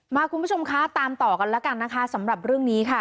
คุณผู้ชมคะตามต่อกันแล้วกันนะคะสำหรับเรื่องนี้ค่ะ